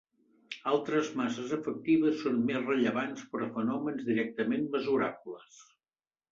Altres masses efectives són més rellevants per a fenòmens directament mesurables.